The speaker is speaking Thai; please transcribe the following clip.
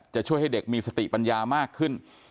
จะช่วยให้เด็กมีสติปัญญามากขึ้น